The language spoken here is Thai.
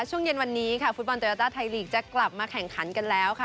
ช่วงเย็นวันนี้ค่ะฟุตบอลโยต้าไทยลีกจะกลับมาแข่งขันกันแล้วค่ะ